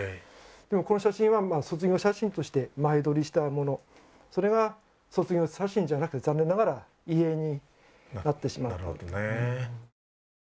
はいこの写真は卒業写真として前撮りしたものそれが卒業写真じゃなく残念ながら遺影になってしまったなるほどね